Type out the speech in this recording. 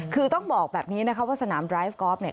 คือต้องบอกแบบนี้นะครับว่าสนามดรายฟ์กอล์ฟ